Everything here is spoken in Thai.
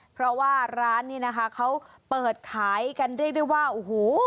เพราะว่าร้านนี้นะคะเขาเปิดขายกันเรียกได้ว่าโอ้โห